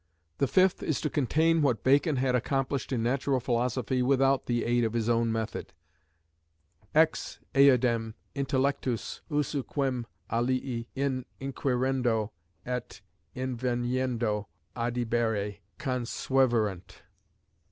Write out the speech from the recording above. The fifth is to contain what Bacon had accomplished in natural philosophy without the aid of his own method, ex eodem intellectûs usu quem alii in inquirendo et inveniendo adhibere consueverunt.